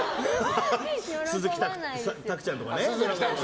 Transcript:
鈴木拓ちゃんとかね。